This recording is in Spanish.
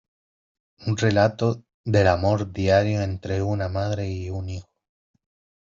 Un relato del amor diario entre una madre y un hijo.